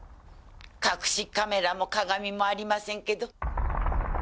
隠しカメラも鏡もありませんけど。